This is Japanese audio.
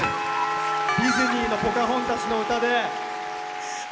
ディズニーの「ポカホンタス」の歌で。